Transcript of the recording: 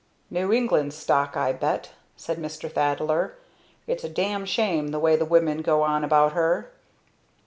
"New England stock I bet," said Mr. Thaddler. "Its a damn shame the way the women go on about her."